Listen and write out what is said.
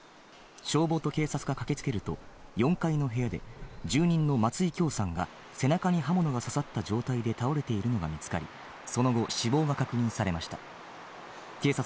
消防と警察が駆けつけると４階の部屋で住人の松井響さんが背中に刃物が刺さった状態で倒れているのが見つかり、その後死亡が確認されました。